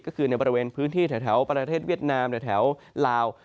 ก็คือในบริเวณพื้นที่แถวประเทศเวียดนามหรือแถวลาว